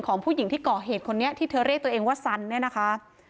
ของผู้หญิงที่ก่อเหตุคนนี้ที่เธอเรียกตัวเองว่าสันเนี่ยนะคะ